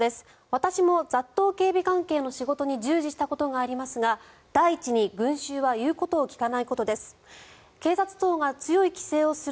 私も雑踏警備関係の仕事に従事したことがありますが第一に群衆は言うことを聞かないことです。